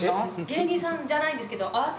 芸人さんじゃないんですけど。